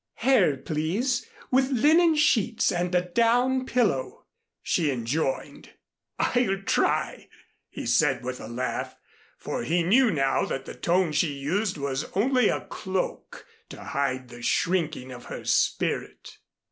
"Hair, please, with linen sheets, and a down pillow," she enjoined. "I'll try," he said with a laugh, for he knew now that the tone she used was only a cloak to hide the shrinking of her spirit.